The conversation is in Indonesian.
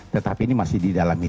tetapi ini masih di dalami